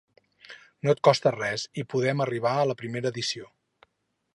No et costa res i podem arribar a la primera edició.